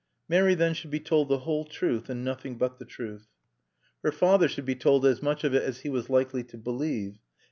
Mary, then, should be told the whole truth and nothing but the truth. Her father should be told as much of it as he was likely to believe.